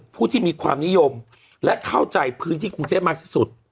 ผู้ที่มีความนิยมและเข้าใจพื้นที่กรุงเทพมากที่สุด